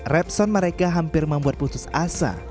repson mereka hampir membuat putus asa